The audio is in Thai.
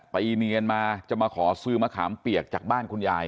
เนียนมาจะมาขอซื้อมะขามเปียกจากบ้านคุณยาย